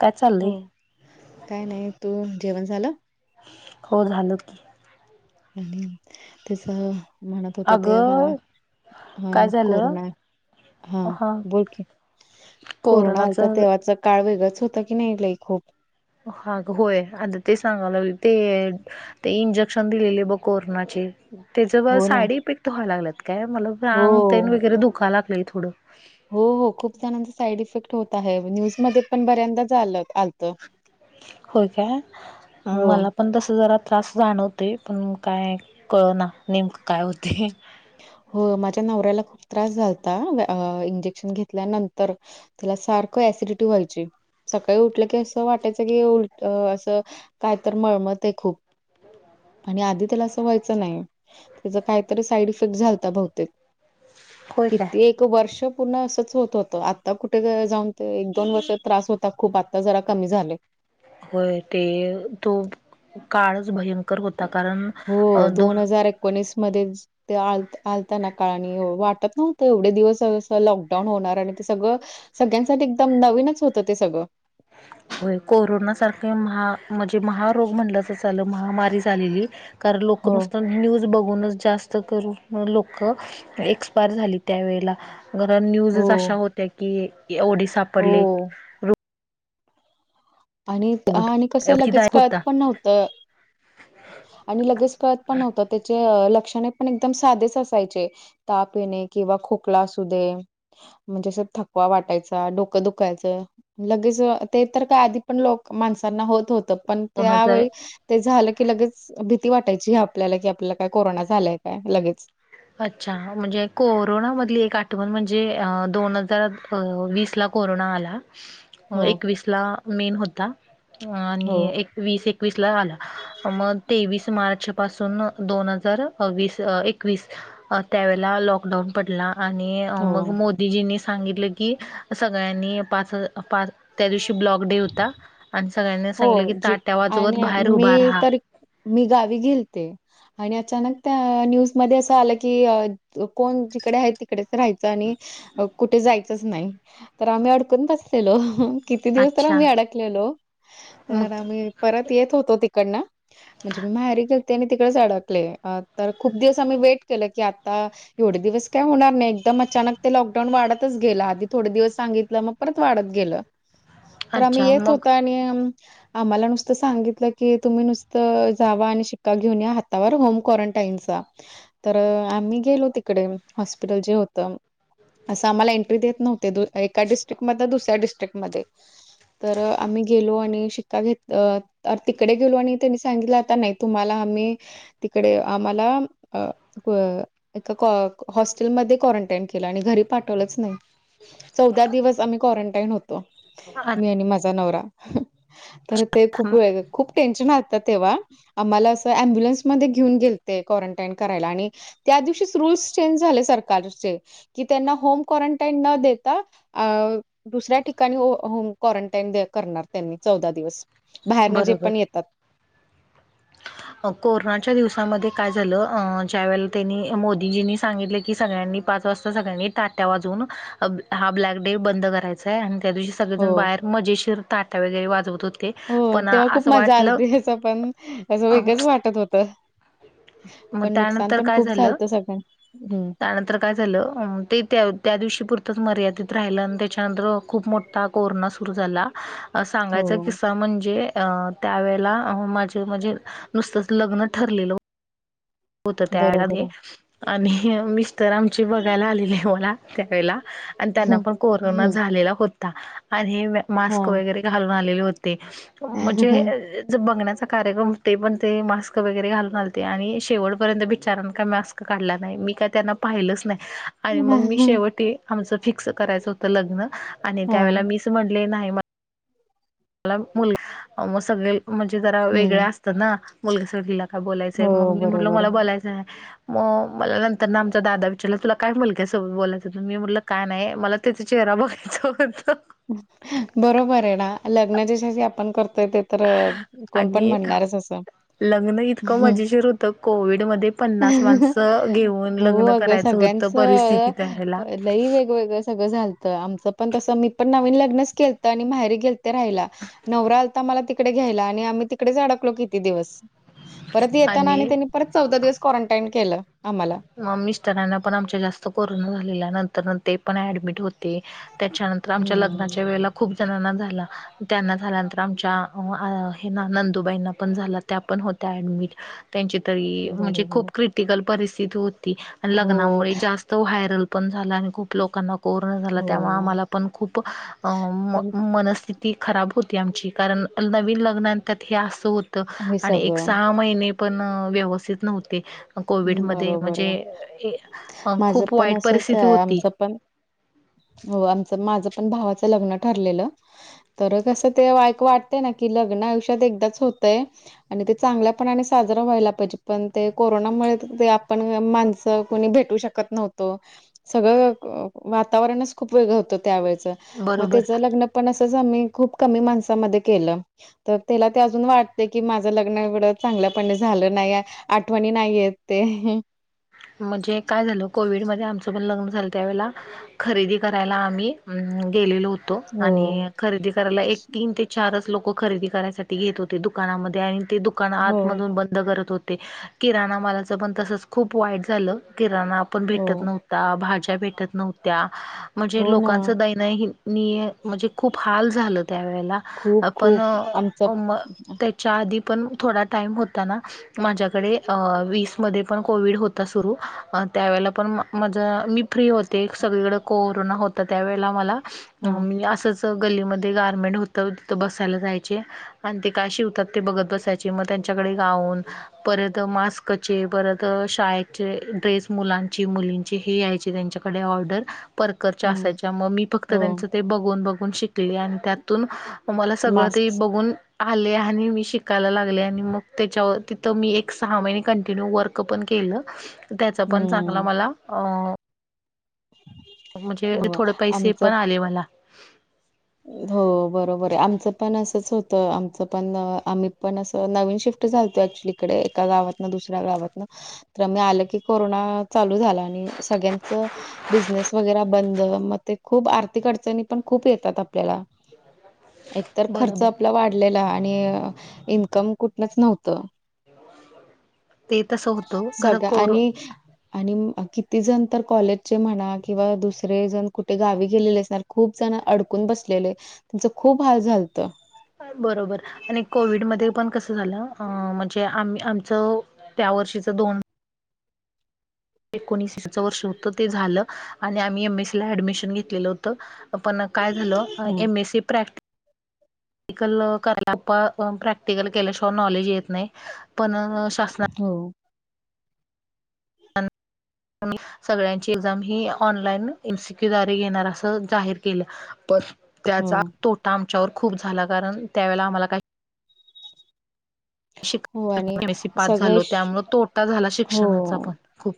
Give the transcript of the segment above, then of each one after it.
काय चाललंय हो काय नाही तू जेवण झालं. हो झालं. आणि त्याच म्हणत होतो ते अगं हा काय झालं कोरोना हा बोल की कोरोना कोरोनाच आलता तेव्हाच काळ वेगंळाच होतं की नाही लई खूप. हा होय आता ते सांगाव लाग ते ते इंजेक्शन दिलेले बघ कोरोनाचे त्याच ब हो ना साइडफेक्ट व्हाय लागत काय मला हो वाटत वगैरे दुखाव लागलंय थोडं हो हो खूप जणांचा साईड इफेक्ट होत आहे न्यूजमध्ये पण बऱ्यांदाच आलं. हो काय हो मला पण तसं जरा त्रास जाणवते पण काय कळ ना नेमकं काय होते हो माझ्या नवऱ्याला खूप त्रास झालता इंजेक्शन घेतल्यानंतर त्याला सारखं ऍसिडिटी व्हायची सकाळी उठलं की असं वाटायचं की असं काय तर मळमत आहे खूप आणि आधी त्याला असं व्हायचं नाही त्याच काहीतरी साईड बहूतेक होय काय किती एक वर्ष पूर्ण असच होत होत आता कुठे जाऊन ते एक दोन वर्ष त्रास होत आता खूप आता जरा कमी झाले होय ते तो काळच भयंकर होता कारण हो दोन हजार एकोणीस मध्ये ते आ आलताना का आणि वाटत नव्हतं एवढे दिवस लॉकडाऊन होणार आणि ते सगळं सगळ्यांसाठी एकदम नवीनच होत ते सगळं हो कोरोना सारखे महा म्हणजे महारोग म्हणल तरी चालेल महामारी आलेली कारण लोक हो नुसत न्यूज बघूनच जास्त लोक एक्सपयर झाली त्यावेळेला बर हो न्यूजच अशा होत्या की एवढी सापडली हो आणि आणि कसं लगेच रोगदायक कळत होता पण नव्हत आणि लगेच कळत पण नव्हतं त्याचे लक्षणे पण एकदम साधेच असायचे ताप येणे किंवा खोकला असू दे म्हणजे अस थकवा वाटायचा डोकं दुखायचं लगेच ते तर काय आधी आधी पण लोक माणसांना होत होत पण दोन हजार त्यावेळी ते झालं की लगेच भीती वाटायची ह आपल्याला की आपल्याला काय कोरोना झालंय काय लगेच अच्छा म्हणजे कोरोना मधली एक आठवण म्हणजे दोन हजार वीस ला कोरोना आला हो एकवीसला मेन होता हो आणि एक वीस एकवीस ला आला मग तेवीस मार्च पासून दोन हजार वस एकवीस त्यावेळेला लॉकडाऊन पडला आणि हो मग मोदी मोदिजीनी सांगितलं की सगळ्यांनी पाच त्या दिवशी ब्लॉक डे होता आणि सगळ्यांनी हो सांगितले की जी ताट्या वाजवत आणि बाहेर उभा मी राहा तर मी गावी गेलते आणि अचानक त्या न्यूजमध्येध्ये असं आलं की कोण जिकडे आहेत तिकडेच राहायचं आणि कुठे जायचंच नाही तर आम्ही अडकून बस बसलेलो किती दिवस तर अच्छा आम्ही अडकलेलो मग तर आम्ही परत येत होतो तिकडन म्हणजे मी माहेरी गेले होते आणि तिकडेच अडकले तर खूप दिवस आम्ही वेट केलं की आता एवढे दिवस काय होणार नाही अचानक ते लॉकडाऊन वाढतच गेलं आधी थोडे दिवस सांगितलं मग परत वाढत गेलं तर आम्ही अच्छा येत मग होत आणि आम्हाला नुसतं सांगितलं की तुम्ही नुसतं जावा आणि शिक्का घेऊन या हातावर होम क्वारंटाईनचा तर आम्ही गेलो तिकडे हॉस्पिटल जे होतं असं आम्हाला एंट्री देत नव्हते एकाडिस्ट्रिकट मध दुसऱ्या डस्ट्रिकटमध्ये तर आम्ही गेलो आणि शिक्का घेत तिकडे गेलो आणि त्यांनी सांगितलं आता नाही तुम्हाला आम्ही तिकडे आम्हाला अ ए हॉस्टेलमध्ये क्वारंटाईन केलं आणि घरी पाठवलंच नाही चौदा दिवस आम्ही क्वारंटाईन होतो अच्छा मी आणि माझा नवरा तर ते खूप व खूप टेन्शन आत तेव्हा आम्हाला असं अम्ब्युलन्समध्येध्ये घेऊन गेलते क्वारंटाईन करायला आणि त्या दिवशीच रूल्स चेंज झाले सरकारचे की त्यांना होम क्वारंटाईन न देता अ दुसऱ्या ठिकाणी होम क्वारंटाईन करणार त्यांनी चौदा दिवस बाहेर जे बरोबर पण येत कोरोनाच्या दिवसामध्ये काय झालं ज्या वेळेला त्यांनी मोदीजींनी सांगितले की सगळ्यांनी च वाज सळ त वाून हा ब्क डे बंद करायचाय आणि दिव हो सगळेजण बाहेर मजेशीर ताटा वगैरे वाजवत होते पण असं वाटलं त्या पण तं अ, वेगंच वाटत होतं मग पण नुकसान त्यानंतर पण काय खूप झालं झालत सगळ्यां हम् त्यानंतर काय झालं ते त्या त्या दिवशी पुरतंच मर्यादित राहिलं आणि त्याच्यानंतर खूप मोठा कोरोना सुरू झाला सांगायचा हो किस्सा म्हणजे त्यावेेळेला माझे म्हणजे नुसतच लग्न ठरलेलं होत बरोबर त्यावेळा आहे. आणि मिस्टर आमची बघायला आलेली आहे मला त्यावेेळेला आणि त्यांना पण कोरोना हम्म झालेला होता आणि हे हा मास्क वगैरे घालून आलेले होते म्हणजे ज बघण्याचा कार्यक्रम ते पण ते मास्क वगैरे घालून घलते आणि शेवटपर्यंत बिचार का मास्क काढला नाही मी का त्यांना पाहिलंच नाही आणि मग मी हा शेवटी आमचं फिक्स करायचं होतं लग्न आणि हा त्यावेळे मीच म्हणले नाही म मला मुलग मग सगळे म्हणजे जरा हम्म वेगळ्या असतं ना मुलगा सग ला का बोलायचंय हो मग मी म्हटल बरोबर मला बोलायचंय मग मला नंतर ना आमचा दादा विचारला तुला काय मुलग्या सोबत बोलायचं तु्ी म्हटलं काय नाही मला त्याचा चेहरा बघायच होत बरोबर आहे ना लग्ना जच्याशी आपण करतोय ते तर कोण पण आणि म्हणणारच असं लग्न इतकं मजेशीर होतं कोविडमध्येध्ये पन्नास माणसं घेऊन हो लग्न अगं करायचं होतं परिस्थिती त्यावेळेला लई वेगवेेगळं सगळं झालत आमचं पण तसं मित पण नवीन लग्नच केलत आणि बाहेर गेलते राहायला नवरा आता मला तिकडे घ्यायला आणि आम्ही तिकडेच अडकलो किती दिवस परत येताना आणि त्यांनी परत चौदा दिवस क्वारंटाईन केलं आम्हाला मिस्टरांना पण आमच्या जास्त कोरोना झालेल्या नंतर ते पण ऍडमिट होते त्याच्यानंतर तर आमच्या हम्म लग्नाच्या वेळे खूप जणांना झाला त्यांना झाल्यानंतर आमच्या हे ना नंदूबाईंना पण झाला त्या पण होत्या ऍडमिट त्यांची तरी म्हणजे खूप बरोबर क्रिटिकल परिस्थिती होती आणि हो लग्नामुळे जास्त त व्हायरल पण झाला आणि खूप लोकांना कोरोना झाला तेव्हा हो आम्हाला पण खूप पण मनस्थि ती खराब होती आमची कारण नवीन लग्ना त्यात हे असं होतं हे आणि एक सगळं सहा महिने ण व्यवथित न्ह बरोबर आहे म्हणजे माझं खूप पण वाईट असंच परिस्थिती आहे होती आमचं पण हो आमचं माझं पण भावाचं लग्न ठरलेलं तर कसं तेक वाटतय ना की लग्न आयुष्यात एकदाच होतंय आणि ते चांगल्यापणाने साजरा व्हायला पाहिजे पण ते कोरोना मुळे आपण माणसं कोणी भेटू शकत नव्हतो. सगळं वातावरणच खूप वेगळ होतं त्यावेळेच मग बरोबर त्याच लग्न पण असंच आम्ही खूप कमी माणसामध्ये केलं. तर त्याला ते अजून वाटते की माझं लग्न एवढं चांगल्यापणे झालं नाही आठवणी नाही येत ते. म्हणजे काय झालं कोविडमध्ये आमचं पण लग्न झालं त्यावेळेला खरेदी करायला आम्ही गेलेलो होतो, हो आणि खरेदी करायला एक तीन ते चारच लोक खरेदी करायसाठी घेत होते दुकानामध्ये आणि ते दुकान हो आतमधून बंद बंद करत होते, किराणा मालाच पण तसच खूप वाईट झालं. किराणा आपण हो भेटत नव्हता भाज्या भेटत नव्हत्या म्हणजे हो ना लोकांचं दयनयनीय, म्हणजे खूप हाल झालं त्यावेळेला. खूप आ पण खूप आमच त्या च्या आधी पण थोडा टाईम होताना माझ्याकडे वीसमध्ये पण कोविड होता सुरु त्यावेळेला पण माझ मी फ्री होते सगळीकडे कोरोना हो ता त्या वेेळेला मला हा मी असंच गल्लीमध्ये गारमेंट होतं तिथं बसायला जायचे. आणि ते काय शिवतात ते बघत बसायचे मग त्यांच्याकडे गाऊन परत मास्कचे परत तर शाळेचे ड्रेस मुलांची मुलींची हे यायची त्यांच्याकडे ऑर्डर! परकरच्या हम्म असायच्या, मग मी फक्त हो त्यांचं ते बघून बघून शिकले आणि त्यात तुन मला सगळं आता मास्क बघून आलय आणि मी शिकायला लागले आणि मग त्याच्यावर तिथं मी एक सहा महिने कंटिन्यू वर्क पण केल त्याचा पण चांगला हम्म मला म्हणजे हो थोडं पैसे आमचं पण आले मला. हो बरोबर आमचं पण असंच होतं आमचं पण आम्ही पण असं नवीन शिफ्ट तो क्चुलीकडे एका गावात दुस्या गावात तर मी आललं की कोरोना चालू झाला आणि सगळ्यांच बिझनेस वगैरे बंद मग ते खूप आर्थिक अडचणी पण खूप येतात आपल्याला. एकतर खर्च बरोबर आपला वाढलेला आणि इन्कम कुठनच नव्हतं. ते तसं होतं खरं सगळं कोर आणि आणि किती जण तर कॉलेजचे म्हणा किंवा दुसरे जण कुठे गावी गेलेले असणार खूप जण अड कुण बसलेले त्यांच खूप हाल झालत. बरोबर आणि कोविडमध्ये पण कसं झालं म्हणजे आम्ही आमचं त्या वर्षीच दोन एकोणीस वर्ष होत ते झालं आणि आम्ही एम एसी ला ऍडमिशन घेतलेलं होत. आ पण काय झालं हम्म. एम एससी प्रॅक्ट [inaudible] प्रॅक्टिकल केल्याशिवाय नॉलेज येत नाही पण शासना हो! सगळ्यांची एक्झाम ही ऑनलाईन एमसीक्यू द्वारे घेणार असं जाहीर केलं पण त्याचा हो. तोटा आमच्या खूप झाला कारण त्या वेळेला आम्हाला हो आणि एम एस सी पास सगळे झालो श त्यामुळे तोटा झाला हो शिक्षणाचा पण. खूप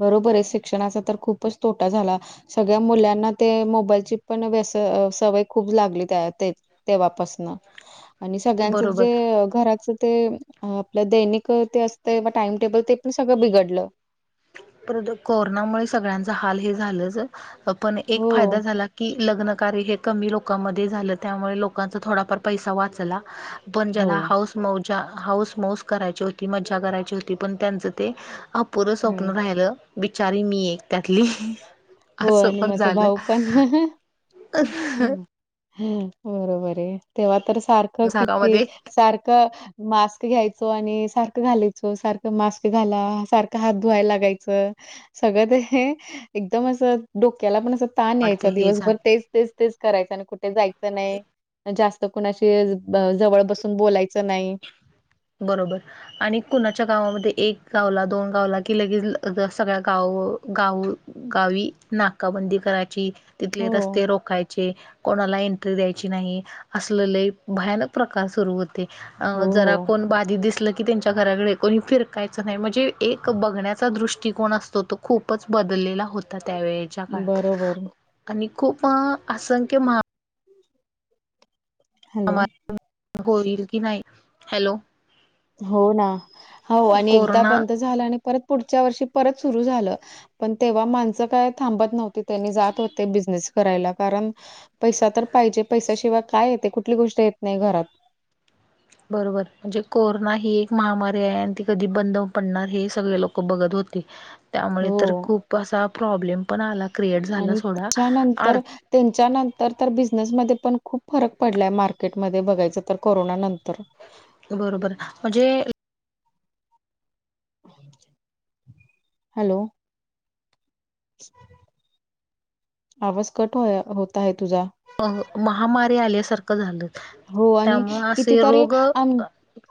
बरोबर आहे शिक्षणाचा तर खूपच तोटा झाला. सगळ्या मुलांना ते मोबाईलची पण व्यस सवय खूप लागली त्या ते तेव्हापासन आणि सगळ्यांचं बरोबर जे घराच ते आपलं दैनिक ते असतं टाइम टेबल ते पण सगळं बिघडलं. परत कोरोनामुळे सगळ्यांचा हाल हे झालंच पण एक हो. फायदा झाला कि लग्न कार्य हे कमी लोकांमध्ये झालं त्यामुळे लोकांचा थोडाफार पैसा वाचला. पण हो. ज्याला हौस मौज, हौस मौज करायची होती मज्जा करायची होती पण त्यांच ते अपूर्व हो, स्वप्न राहिलं. बिचारी मी एक त्यातली! हो असं आणि पण माझ झालं भाऊ पण! ह बरोबर आहे तेव्हा तर सारखं किती जगामध्ये सारखं मास्क घ्यायचो आणि सारखं घालायचो सारखं मास्क घाला सारखं हात धुवायला लागायचं सगळं ते एकदम असं डोक्याला पण असं ताण यायच वाटतं हे झालं दिवसभर तेच तेच तेच करायच आणि कुठे जायचं नाही जास्त कुणाशी जवळ बसून बोलायचं नाही बरोबर आणि कुणाच्या गावामध्ये एक गावला दोन गावला कि लगेच सगळ्या गाव गाव गावी नाकाबंदी करायची तिथले हो, रस्ते रोखायचे कोणाला एंट्री द्यायची नाही असलेले भयानक प्रकार सुरू होते हो, जरा हो. कोण बाधी दिसलं की त्यांच्या घराकडे कोणी फिरकायचं नाही म्हणजे एक बघण्याचा दृष्टिकोन असतो तो खूपच बदललेला होता त्यावेळे काळ बरोबर. आणि खूप असंख्य मा हॅलो होईलङौ की नाही हॅलो हो ना हो आणि एकदा कोरोना बंद झालं आणि परत पुढच्या वर्षी परत सुरू झालं पण तेव्हा माणसं काय थांबत नव्हती त्यांनी जात होते बिझनेस करायला कारण पैसा तर पाहिजे पैसाशिवाय काय येते कुठली गोष्ट येत नाही घरात बरोबर म्हणजे कोरोना ही एक महामारी आहे आणि ती कधी बंद पडणार हे सगळे लोक खूप बघत होती त्यामुळे तर हो खूप असा प्रॉब्लेम पण आला क्रिएट झाला थोडा त्यांच्यानंतर तर बिझनेसमध्ये पण खूप फरक पडलाय मार्केटमध्ये बघायचं तर कोरोना नंतर बरोबर म्हणजे हॅलो आवाज कट हो होत आहे तुझा अ महामारी आल्यासारखं झालं हो आणि त्यामु असे कितीतरी रोग आम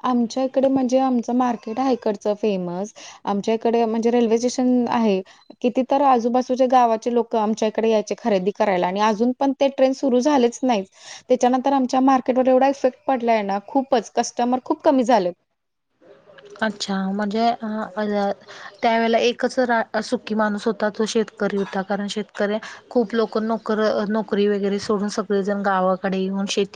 आमच्या इकडे म्हणजे आमचं मार्केट आहेकडचं फेमस आमच्या इकडे म्हणजे रेल्वे स्टेशन आहे किती तरर आजूबाजूच्या गावाचे लोक आमच्या इकडे यायचे खरेदी करायला आणि अजून पण े सुर झा नाही त्याच्यांत आ म एवढा इफेक्ट पडलाय आहे ना खूपच कस्टमर खूप कमी झालं अच्छा म्हणजे त्यावेेळे एकच रा सुखी माणूस होता तो शेतकरी होता कारण शेतकऱ्या खूप लोक नोकर नोकरी वगैरे सोडून सगळेजण गावाकडे येऊन शेत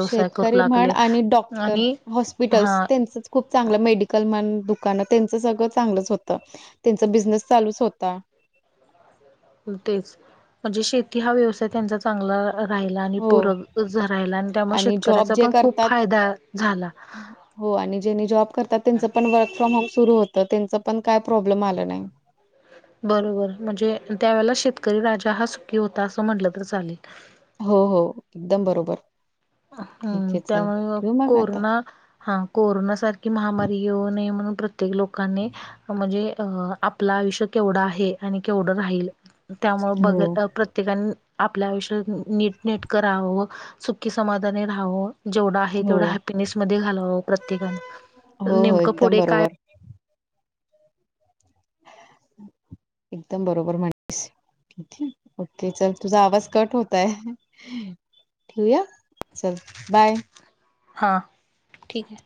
शेतकरी म्हण आणि डॉक्टर आणि हॉस्पिटल्स हा त्यांचच खूप चांगलं मेडिकल मन दुकानं त्यांच सगळं चांगलंच होत त्यांच बिझनेस चालूच होता तेच म्हणजे शेती हा व्यवसाय त्यांचा चांगला राहिला आणि हो पूरक राहिला आणि त्यामुळे श जॉब कण्याचा जे पण खूप करतात फायदा झाला हो आणि जेनी जॉब करतात त्यांचं पण वर्क फ्रॉम होम सुरू होत त्यांच पण काय प्रॉब्लेम आलं नाही बरोबर म्हणजे त्यावेेळे शेतकरी राजा हा सुखी होता असं म्हटलं तर चालेल हो हो एकदम बरोबर ठीक हम्म आहे चल त्यामुळे ठेवू मग आता कोरोना हा कोरोनासारखी महामारी येऊ नये म्हणून प्रत्येक लोकांनी म्हणजे अ आपलं आयुष्य केवढं आहे आणि केवढं राहील त्यामुळे हो ब प्रत्येकाने आपल्या आयुष्यात नीट नट करावं की समाधानी राहावून जेवढा आहे हो तेवढा हॅपपीनेस म घालावं प्रत्येकां हो हो नेमकं एकदम पुढे काय बरोबर एकदम बरोबर माणस ओके चल तुझा आवाज कट होतय ठीया चल बाय हां ठीक आहे